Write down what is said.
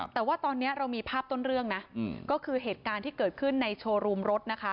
แต่ว่าตอนนี้เรามีภาพต้นเรื่องนะก็คือเหตุการณ์ที่เกิดขึ้นในโชว์รูมรถนะคะ